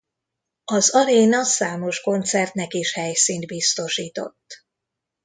Az aréna számos koncertnek is helyszínt biztosított.